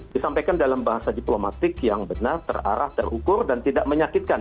disampaikan dalam bahasa diplomatik yang benar terarah terukur dan tidak menyakitkan